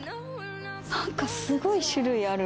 何かすごい種類ある！